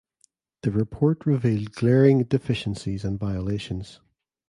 The report revealed glaring deficiencies and violations.